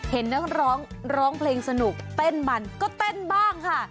เห็นนักร้องร้องเพลงสนุกเต้นมันก็เต้นบ้างค่ะ